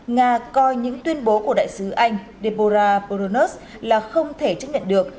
nga coi những tuyên bố của đại sứ anh deborah brunos là không thể chấp nhận được